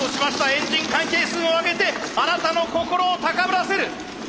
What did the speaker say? エンジン回転数を上げてあなたの心を高ぶらせる！